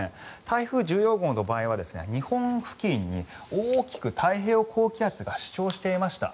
台風１４号の場合は日本付近に大きく太平洋高気圧が主張していました。